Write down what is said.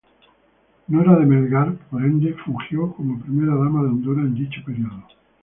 Nora de Melgar, por ende fungió como Primera Dama de Honduras en dicho periodo.